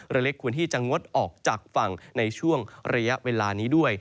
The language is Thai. เล็กควรที่จะงดออกจากฝั่งในช่วงระยะเวลานี้ด้วย